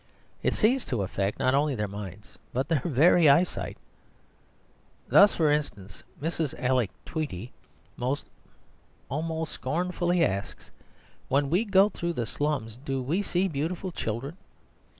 It seems to affect not only their minds, but their very eyesight. Thus, for instance, Mrs. Alec Tweedie almost scornfully asks, "When we go through the slums, do we see beautiful children?"